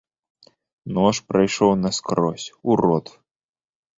Нож прайшоў наскрозь, у рот.